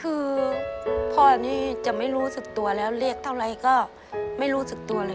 คือพ่อนี่จะไม่รู้สึกตัวแล้วเรียกเท่าไรก็ไม่รู้สึกตัวเลย